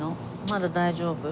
まだ大丈夫？